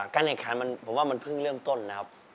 การแข่งขันผมว่ามันเพิ่งเริ่มต้นนะครับ